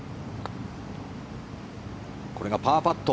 これがパーパット。